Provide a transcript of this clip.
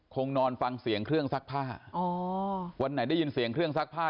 คงนอนฟังเสียงเครื่องซักผ้าอ๋อวันไหนได้ยินเสียงเครื่องซักผ้า